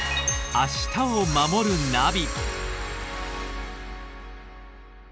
「明日をまもるナビ」